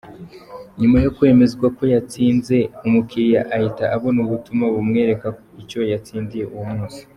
Nyuma yo kwemezwa ko yatsinze, umukiliya ahita abona ubutumwa bumwereka icyo yatsindiye uwo munsi.